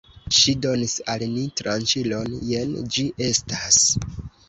Ŝi donis al ni tranĉilon, jen ĝi estas!